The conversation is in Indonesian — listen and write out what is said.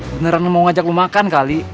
beneran mau ngajak lo makan kali